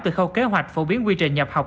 từ khâu kế hoạch phổ biến quy trình nhập học